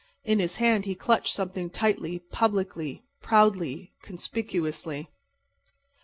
In his hand he clutched something tightly, publicly, proudly, conspicuously.